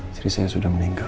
istri saya sudah meninggal